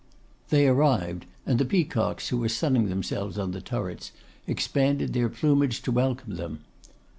They arrived, and the peacocks, who were sunning themselves on the turrets, expanded their plumage to welcome them.